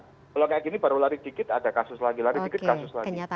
kalau kayak gini baru lari dikit ada kasus lagi lari dikit kasus lagi